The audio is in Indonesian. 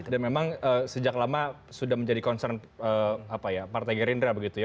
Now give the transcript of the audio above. dan memang sejak lama sudah menjadi concern apa ya partai gerindra begitu ya